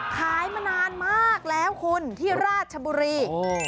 ขายมานานมากแล้วคุณที่ราชบุรี